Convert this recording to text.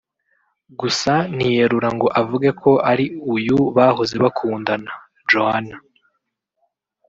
gusa ntiyerura ngo avuge ko ari uyu bahoze bakundana Joannah